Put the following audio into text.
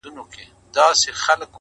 لپاره د اروپايي منطق، فلسفې